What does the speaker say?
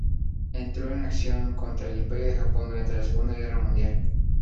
Entró en acción contra el Imperio del Japón durante la Segunda Guerra Mundial.